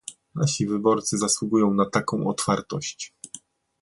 Nasi wyborcy zasługują na taką otwartość